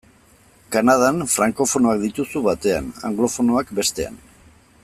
Kanadan, frankofonoak dituzu batean, anglofonoak bestean.